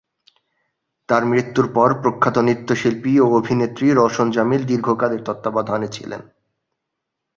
তার মৃত্যুর পর প্রখ্যাত নৃত্যশিল্পী ও অভিনেত্রী রওশন জামিল দীর্ঘকাল এর তত্ত্বাবধানে ছিলেন।